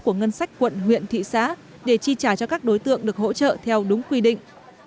của ngân sách quận huyện thị xã để chi trả cho các đối tượng được hỗ trợ theo đúng quy định